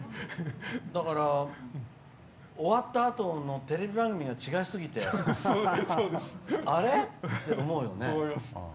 だから終わったあとのテレビ番組が違いすぎて、あれ？って思うよね。